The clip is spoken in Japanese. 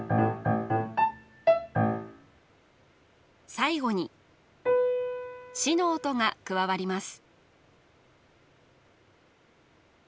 最後にシの音が加わります